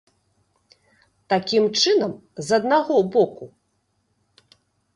Такім чынам, з аднаго боку.